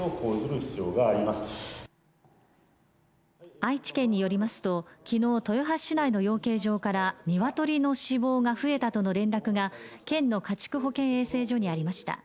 愛知県によりますと昨日、豊橋市内の養鶏場から鶏の死亡が増えたとの連絡が県の家畜保健衛生所にありました。